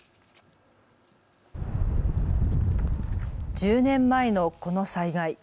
１０年前のこの災害。